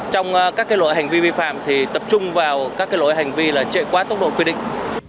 trong các lỗi hành vi vi phạm tập trung vào các lỗi hành vi trệ quá tốc độ quy định